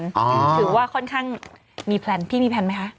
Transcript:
ถือว่าค่อนข้างมีแพลนพี่มีแพลนไหมคะ